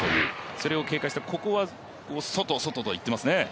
それを警戒して、ここは外、外と言っていますね。